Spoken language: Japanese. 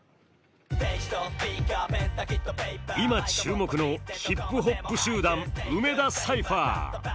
今注目の、ヒップホップ集団梅田サイファー。